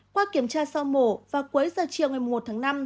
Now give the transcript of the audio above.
qua kiểm tra sau mổ vào cuối giờ chiều ngày một tháng năm